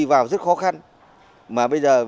vào rất khó khăn mà bây giờ